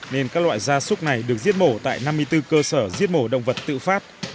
nên các loại gia súc này được giết mổ tại năm mươi bốn cơ sở giết mổ động vật tự phát